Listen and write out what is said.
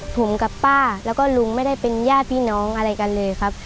ผมกับป้าแล้วก็ลุงไม่ได้เป็นญาติพี่น้องอะไรกันเลยครับ